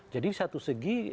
jadi di satu segi